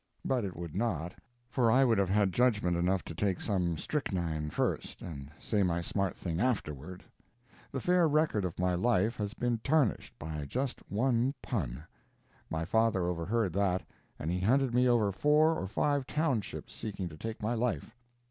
But it would not, for I would have had judgment enough to take some strychnine first and say my smart thing afterward. The fair record of my life has been tarnished by just one pun. My father overheard that, and he hunted me over four or five townships seeking to take my life.